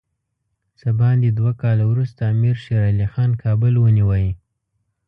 څه باندې دوه کاله وروسته امیر شېر علي خان کابل ونیوی.